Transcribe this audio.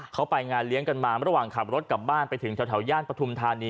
เขาไปงานเลี้ยงกันมาระหว่างขับรถกลับบ้านไปถึงแถวย่านปฐุมธานี